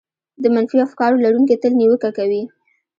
د منفي افکارو لرونکي تل نيوکه کوي.